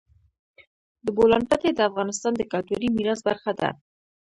د بولان پټي د افغانستان د کلتوري میراث برخه ده.